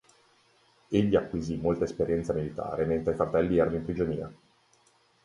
Egli acquisì molta esperienza militare mentre i fratelli erano in prigionia.